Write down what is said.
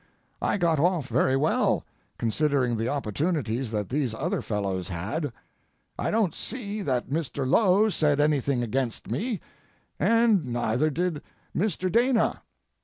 I got off very well, considering the opportunities that these other fellows had. I don't see that Mr. Low said anything against me, and neither did Mr. Dana.